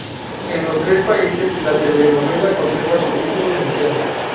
En los tres países la telenovela conserva su título inicial.